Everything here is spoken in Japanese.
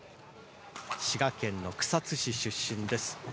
滋賀県の草津市出身です。